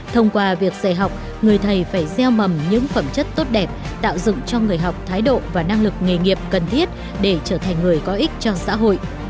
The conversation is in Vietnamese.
thông qua việc dạy học người thầy phải gieo mầm những phẩm chất tốt đẹp tạo dựng cho người học thái độ và năng lực nghề nghiệp cần thiết để trở thành người có ích cho xã hội